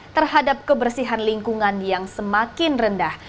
terhadap kebersihan lingkungan yang semakin rendah